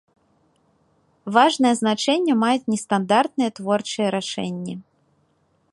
Важнае значэнне маюць нестандартныя, творчыя рашэнні.